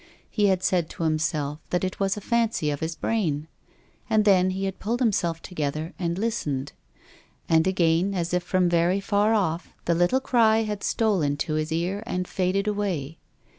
lie had .said to himself that it was a fancy of his brain. And then he had pulled himself together and listened. And again, as if from very far off, llic little cry 185 1 86 TONGUES OF CONSCIENCE. had stolen to his ear and faded away.